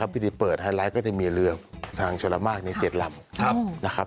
พิธีเปิดไฮไลท์ก็จะมีเรือทางชลมากใน๗ลำนะครับ